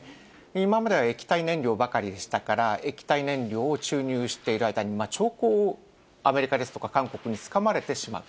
今までは液体燃料ばかりでしたが、液体燃料を注入している間に、兆候をアメリカとか韓国につかまれてしまう。